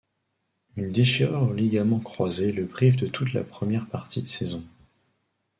Une déchirure aux ligaments croisés le prive de toute la première partie de saison.